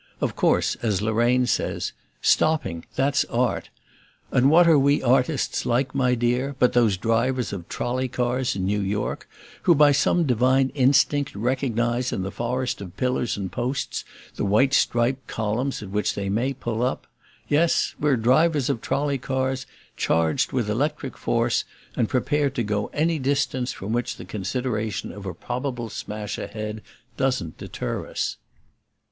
Of course, as Lorraine says, "Stopping, that's art; and what are we artists like, my dear, but those drivers of trolley cars, in New York, who, by some divine instinct, recognize in the forest of pillars and posts the white striped columns at which they may pull up? Yes, we're drivers of trolley cars charged with electric force and prepared to go any distance from which the consideration of a probable smash ahead doesn't deter us."